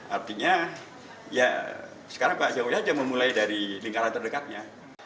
artinya ya sekarang pak jokowi saja memulai dari lingkaran terdekatnya